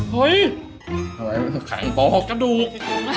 เฮ้ยขังบอกกระดูก